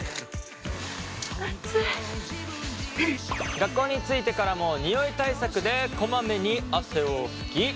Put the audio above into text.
学校に着いてからもニオイ対策でこまめに汗を拭き